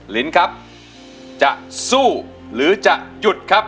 ลิ้นครับจะสู้หรือจะหยุดครับ